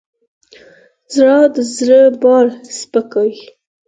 • ژړا د زړه بار سپکوي.